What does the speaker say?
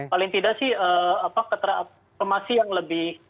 paling tidak sih apa keter informasi yang lebih